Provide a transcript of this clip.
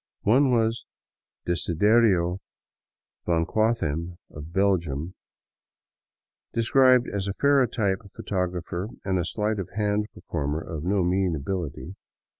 One was Deciderio Vanquathem of Belgium, de scribed as a ferrotype photographer and a sleight of hand performer of no mean ability.